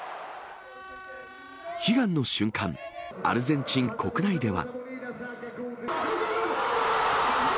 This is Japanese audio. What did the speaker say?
悲願の瞬間、アルゼンチン国内では。